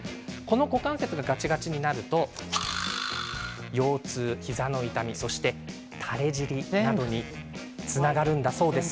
股関節がガチガチになると腰痛や膝の痛み、垂れ尻などにつながるんだそうです。